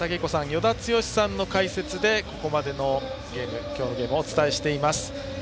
与田剛さんの解説でここまでの今日のゲームをお伝えしています。